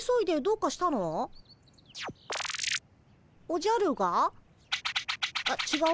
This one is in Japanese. おじゃるが？